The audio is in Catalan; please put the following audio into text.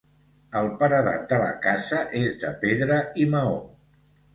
El paredat de la casa és de pedra i maó.